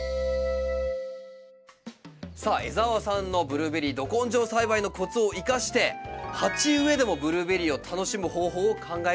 さあ江澤さんのブルーベリーど根性栽培のコツを生かして鉢植えでもブルーベリーを楽しむ方法を考えました。